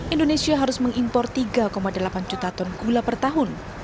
indonesia harus mengimpor tiga delapan juta ton gula per tahun